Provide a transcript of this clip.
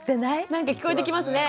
なんか聞こえてきますね。